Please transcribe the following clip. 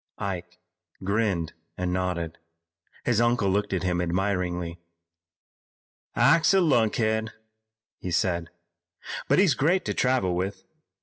Ike grinned and nodded. His uncle looked at him admiringly. "Ike's a lunkhead," he said, "but he's great to travel with.